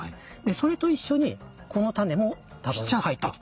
それと一緒にこの種も多分入ってきた。